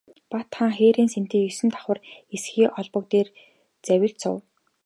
Бат хаан хээрийн сэнтий есөн давхар эсгий олбог дээр завилж суув.